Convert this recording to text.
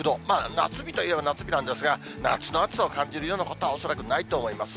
夏日といえば夏日なんですが、夏の暑さを感じるようなことは恐らくないと思います。